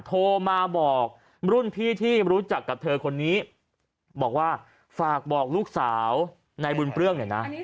โทรมาบอกรุ่นพี่ที่รู้จักกับเธอคนนี้บอกว่าฝากบอกลูกสาวในบุญเปลื้องเนี่ยนะ